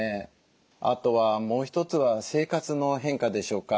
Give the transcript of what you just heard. あとはもう一つは生活の変化でしょうか。